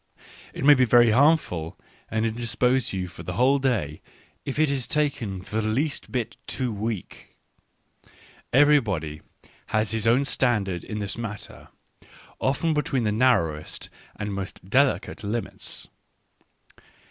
It may be very harmful, and indis pose you for the whole day, if it be taken the least bit too weak. Everybody has his own standard in this matter, often between the narrowest and most delicate limits.